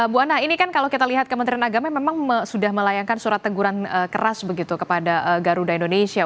bu ana ini kan kalau kita lihat kementerian agama memang sudah melayangkan surat teguran keras begitu kepada garuda indonesia